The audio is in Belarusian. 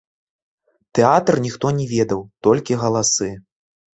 Тэатр ніхто не ведаў, толькі галасы.